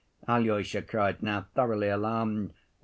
Alyosha cried, now thoroughly alarmed.